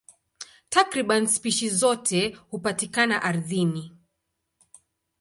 Takriban spishi zote hupatikana ardhini.